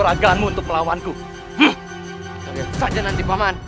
baiklah kalau itu keinginanmu